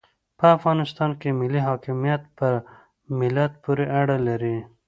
په افغانستان کې ملي حاکمیت په ملت پوري اړه لري.